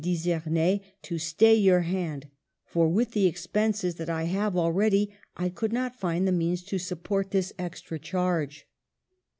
d'Izernay, to stay your hand ; for with the ex penses that I have already, I could not find the means to support this extra charge."